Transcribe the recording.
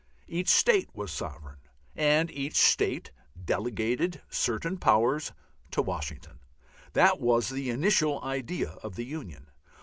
Each State was sovereign, and each State delegated certain powers to Washington. That was the initial idea of the union.